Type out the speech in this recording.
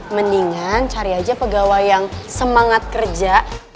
mendingan cari aja pegawai yang semangat kerja